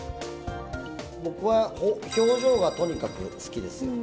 僕は表情がとにかく好きです。